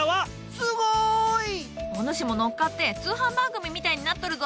すごい！お主も乗っかって通販番組みたいになっとるぞ。